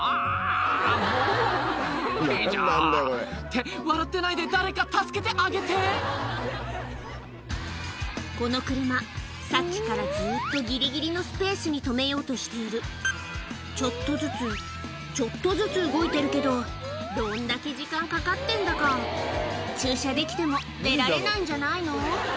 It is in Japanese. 「もう無理じゃ」って笑ってないで誰か助けてあげてこの車さっきからずっとギリギリのスペースに止めようとしているちょっとずつちょっとずつ動いてるけどどんだけ時間かかってんだか駐車できても出られないんじゃないの？